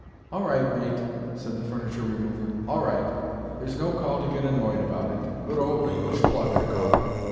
"All right, mate," said the furniture remover; "all right. There's no call to get annoyed about it. Good old English pluck, I call it.